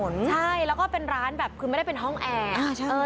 ใช่แล้วก็เป็นร้านแบบคือไม่ได้เป็นห้องแอร์